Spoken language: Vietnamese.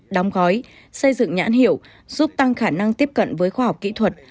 đóng gói xây dựng nhãn hiệu giúp tăng khả năng tiếp cận với khoa học kỹ thuật